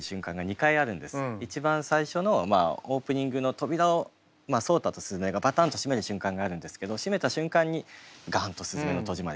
一番最初のオープニングの扉を草太と鈴芽がバタンと閉める瞬間があるんですけど閉めた瞬間にガンと「すずめの戸締まり」が出る。